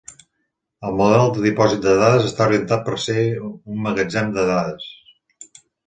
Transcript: El model de dipòsit de dades està orientat per ser un magatzem de dades.